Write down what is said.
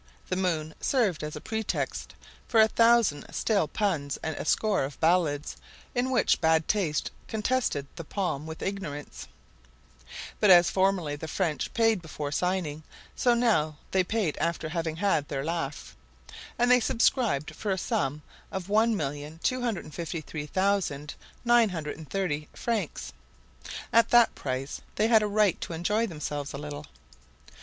The moon served as a pretext for a thousand stale puns and a score of ballads, in which bad taste contested the palm with ignorance. But as formerly the French paid before singing, so now they paid after having had their laugh, and they subscribed for a sum of 1,253,930 francs. At that price they had a right to enjoy themselves a little.